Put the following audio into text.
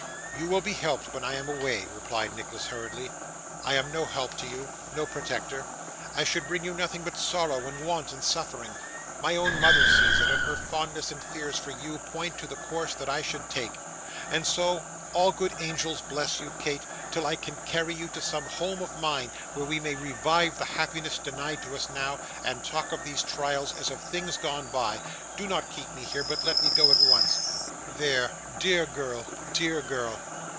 'You will be helped when I am away,' replied Nicholas hurriedly. 'I am no help to you, no protector; I should bring you nothing but sorrow, and want, and suffering. My own mother sees it, and her fondness and fears for you, point to the course that I should take. And so all good angels bless you, Kate, till I can carry you to some home of mine, where we may revive the happiness denied to us now, and talk of these trials as of things gone by. Do not keep me here, but let me go at once. There. Dear girl dear girl.